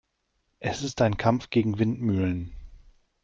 Es ist ein Kampf gegen Windmühlen.